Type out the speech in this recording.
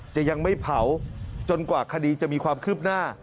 จะยังไม่เผาจนกว่าคดีจะมีความคืบหน้า